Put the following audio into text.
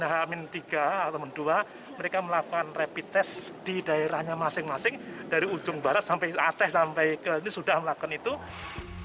h tiga h dua mereka melakukan rapid test di daerahnya masing masing dari ujung barat sampai aceh sampai ke ini sudah melakukan itu